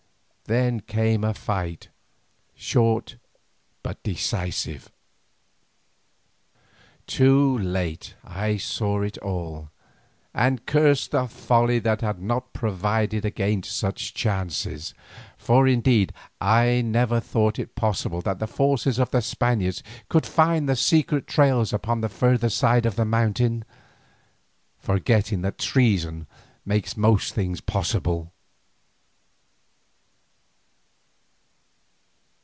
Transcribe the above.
Then came a fight, short but decisive. Too late I saw it all, and cursed the folly that had not provided against such chances, for, indeed, I never thought it possible that the forces of the Spaniards could find the secret trails upon the further side of the mountain, forgetting that treason makes most things possible.